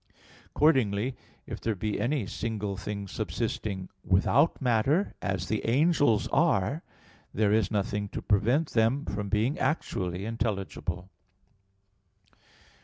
Accordingly, if there be any single things subsisting without matter, as the angels are, there is nothing to prevent them from being actually intelligible.